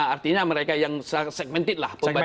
artinya mereka yang segmented lah pembacanya ini